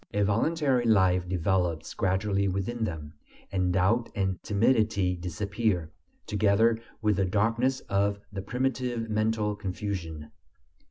A voluntary life develops gradually within them; and doubt and timidity disappear, together with the darkness of the primitive mental confusion.